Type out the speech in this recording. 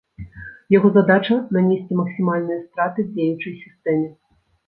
Яго задача нанесці максімальныя страты дзеючай сістэме.